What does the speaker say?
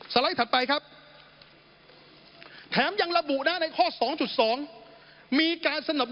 สไลด์ถัดไปครับแถมยังระบุนะในข้อ๒๒